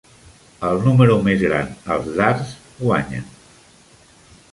El número més gran als dards guanya.